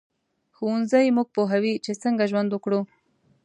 ښوونځی موږ پوهوي چې څنګه ژوند وکړو